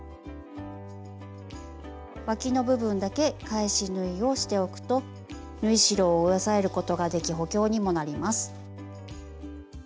わきの部分だけ返し縫いをしておくと縫い代を押さえることができ補強にもなります。